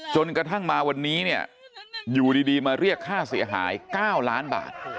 จนกระทั่งมาวันนี้เนี่ยอยู่ดีมาเรียกค่าเสียหาย๙ล้านบาท